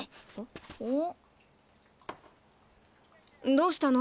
どうしたの？